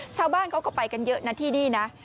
ชาวบ้านเขาก็ไปกันเยอะนะที่นี่นะ